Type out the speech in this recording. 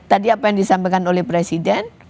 tadi apa yang disampaikan oleh presiden